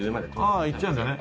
あっいっちゃうんだね。